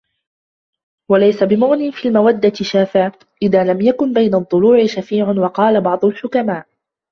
وَلَيْسَ بِمُغْنٍ فِي الْمَوَدَّةِ شَافِعٌ إذَا لَمْ يَكُنْ بَيْنَ الضُّلُوعِ شَفِيعُ وَقَالَ بَعْضُ الْحُكَمَاءِ